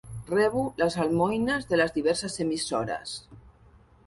Rebo les almoines de les diverses emissores.